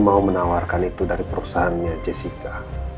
mau menawarkan itu dari perusahaannya jessica